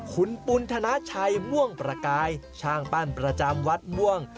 คุณปุณธนาชัยม่วงประกายช่างปั้นประจำวัดม่วง